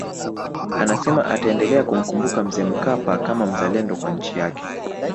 Anasema ataendelea kumkumbuka Mzee Mkapa kama mzalendo kwa nchi yake